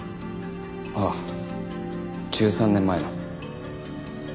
あっ１３年前の。